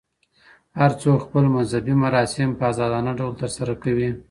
هر څوک خپل مذهبي مراسم په ازادانه ډول ترسره کوي.